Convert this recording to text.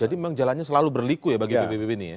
jadi memang jalannya selalu berliku ya bagi pbb ini ya